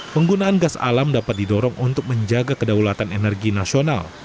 penggunaan gas alam dapat didorong untuk menjaga kedaulatan energi nasional